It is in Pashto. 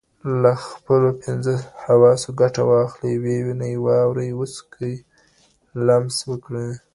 له خپلو پنځه حواسو ګټه واخلئ: ووینئ، واورئ، وڅکو، لمس وکړئ.